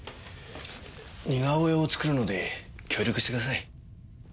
似顔絵を作るので協力してください。